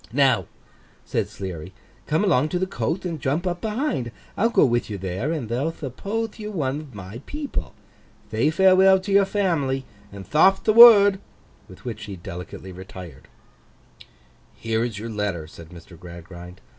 'Now,' said Sleary, 'come along to the coath, and jump up behind; I'll go with you there, and they'll thuppothe you one of my people. Thay farewell to your family, and tharp'th the word.' With which he delicately retired. 'Here is your letter,' said Mr. Gradgrind.